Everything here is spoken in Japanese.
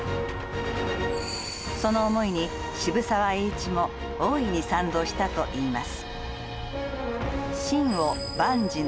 その思いに渋沢栄一も大いに賛同したといいます。